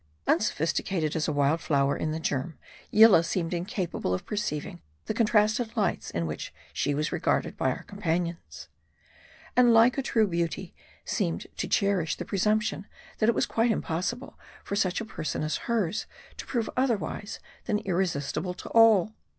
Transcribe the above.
Unsophisticated as a wild flower in the germ, Yillah seemed incapable of perceiving the contrasted lights in which she was regarded by our companions. And like a true beauty seemed to cherish the presumption, that it was quite impossible for such a person as hers to prove otherwise than irresistible to all.